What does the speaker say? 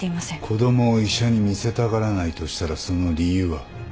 子供を医者に見せたがらないとしたらその理由は？